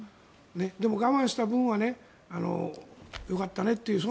でも、我慢した分はよかったねという。